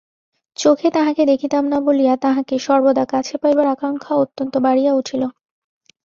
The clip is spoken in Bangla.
চোখে তাঁহাকে দেখিতাম না বলিয়া তাঁহাকে সর্বদা কাছে পাইবার আকাঙক্ষা অত্যন্ত বাড়িয়া উঠিল।